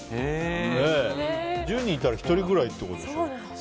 １０人いたら１人くらいってことでしょ。